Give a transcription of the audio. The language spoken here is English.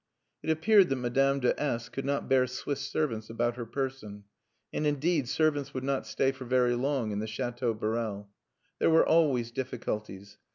It appeared that Madame de S could not bear Swiss servants about her person; and, indeed, servants would not stay for very long in the Chateau Borel. There were always difficulties.